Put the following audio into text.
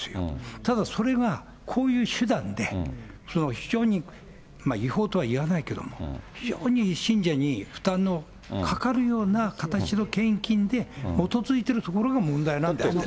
ただ、それがこういう手段で、非常に、違法とはいわないけれども、非常に信者に負担のかかるような形の献金で基づいているところが問題なわけで。